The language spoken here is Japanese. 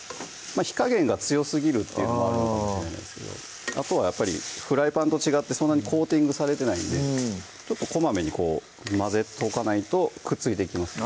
火加減が強すぎるっていうのもあるのかもしれないですけどあとはやっぱりフライパンと違ってそんなにコーティングされてないんでこまめに混ぜとかないとくっついていきますね